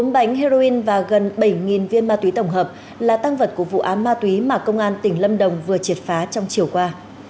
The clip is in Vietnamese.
bốn bánh heroin và gần bảy viên ma túy tổng hợp là tăng vật của vụ án ma túy mà công an tỉnh lâm đồng vừa triệt phá trong chiều qua